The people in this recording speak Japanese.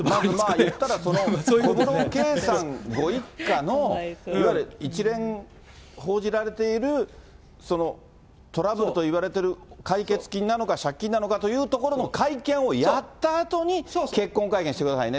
言ったら、小室圭さんご一家の、いわゆる一連報じられている、そのトラブルと言われている解決金なのか、借金なのかということも会見をやったあとに、結婚会見してくださいね。